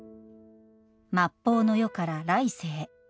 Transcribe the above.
末法の世から来世へ。